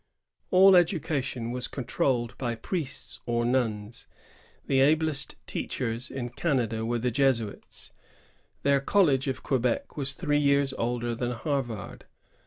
AU education was controlled by priests or nuns. The ablest teachers in Canada were the Jesuits. Their college of Quebec was three years older than Harvard.